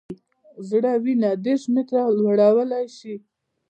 زړه وینه دېرش متره لوړولی شي.